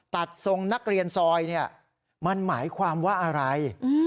ทรงนักเรียนซอยเนี่ยมันหมายความว่าอะไร